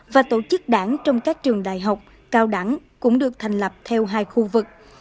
và tổ chức đảng trong các trường đại học cao đẳng cũng được thành lập theo hai khu vực